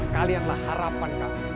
kalianlah harapan kami